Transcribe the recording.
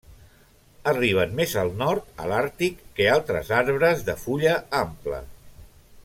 Arriben més al nord a l'Àrtic que altres arbres de fulla ampla.